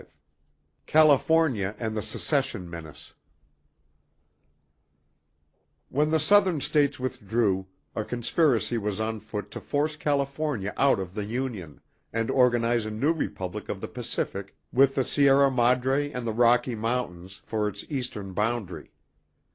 Chapter V California and the Secession Menace When the Southern states withdrew, a conspiracy was on foot to force California out of the Union, and organize a new Republic of the Pacific with the Sierra Madre and the Rocky Mountains for its Eastern boundary.